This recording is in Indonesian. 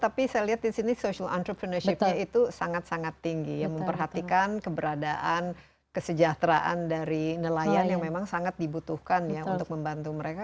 tapi saya lihat di sini social entrepreneurship nya itu sangat sangat tinggi memperhatikan keberadaan kesejahteraan dari nelayan yang memang sangat dibutuhkan ya untuk membantu mereka